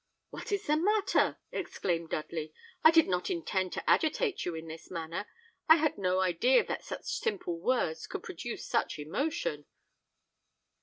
"What is the matter?" exclaimed Dudley. "I did not intend to agitate you in this manner. I had no idea that such simple words could produce such emotion."